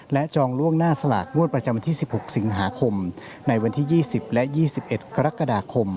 และจองล่วงหน้าสลากงวดประจำวันที่๑๖สิงหาคมในวันที่๒๐และ๒๑กรกฎาคม